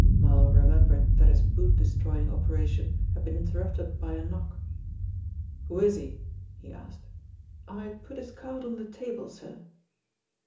Marl remembered that his boot destroying operation had been interrupted by a knock. "Who is he?" he asked. "I put his card on the table, sir."